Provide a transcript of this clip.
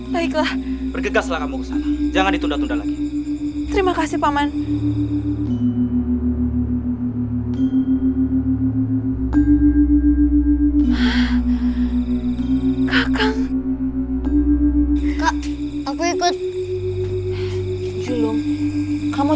terima kasih pak man